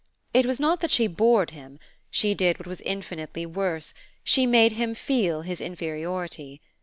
It was not that she bored him; she did what was infinitely worse she made him feel his inferiority.